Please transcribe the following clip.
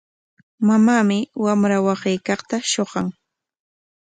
Mamanmi wamra waqaykaqta shuqan.